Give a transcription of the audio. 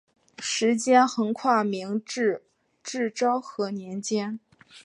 时间横跨明治至昭和年间。